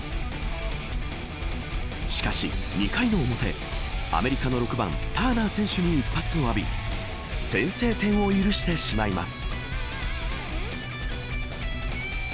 しかし、２回の表アメリカの６番ターナー選手に一発を浴び先制点を許してしまいます。